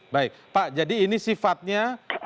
baik pak jadi ini sifatnya